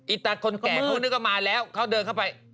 อิตาคนแก่ครับมาแล้วเขาเดินเข้าไป